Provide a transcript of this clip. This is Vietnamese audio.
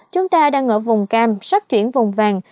chúng ta đang ở vùng cam sắp chuyển vùng vàng